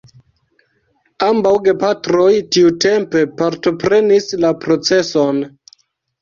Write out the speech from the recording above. Ambaŭ gepatroj tiutempe partoprenis la proceson.